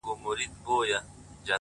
o ښكلي دا ستا په يو نظر كي جــادو؛